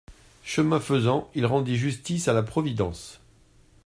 Chemin faisant, il rendit justice à la providence.